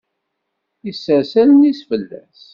Isers allen-is fell-as.